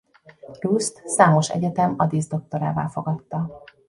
Roust számos egyetem a díszdoktorává fogadta.